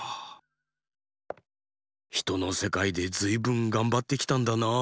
ひとのせかいでずいぶんがんばってきたんだなあ。